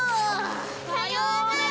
さようなら！